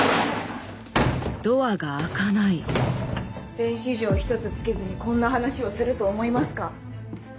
電子錠一つ付けずにこんな話をすると思いますか？